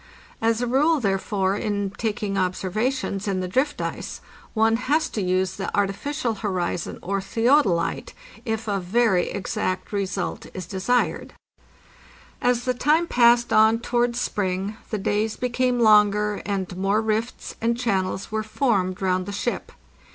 As a rule, therefore, in taking observations in the drift ice, one has to use the artificial horizon or theodolite, if a very exact result is desired. As the time passed on towards spring the days became longer, and more rifts and channels were formed round the ship.